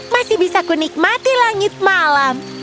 masih bisa ku nikmati langit malam